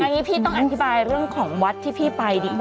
อย่างนี้พี่ต้องอธิบายเรื่องของวัดที่พี่ไปดีกว่า